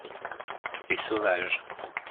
des sauvages.